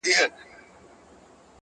• لا« څشي غواړی» له واکمنانو -